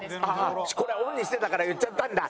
これオンにしてたから言っちゃったんだ。